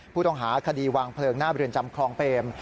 ผู้ต้องหาคดีวางเพลิงหน้าเรือนจำคลองเปรม